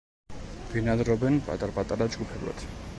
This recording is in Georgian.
ბინადრობენ პატარ-პატარა ჯგუფებად.